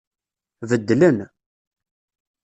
Beddlen.